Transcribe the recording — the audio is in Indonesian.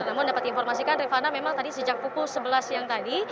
namun dapat diinformasikan rifana memang tadi sejak pukul sebelas siang tadi